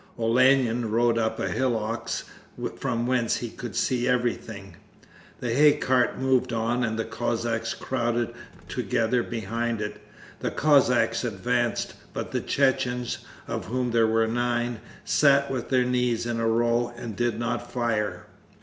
Olenin rode up a hillock from whence he could see everything. The hay cart moved on and the Cossacks crowded together behind it. The Cossacks advanced, but the Chechens, of whom there were nine, sat with their knees in a row and did not fire.